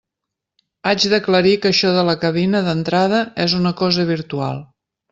Haig d'aclarir que això de la cabina d'entrada és una cosa virtual.